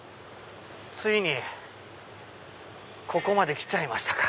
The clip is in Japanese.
ついにここまで来ちゃいましたか！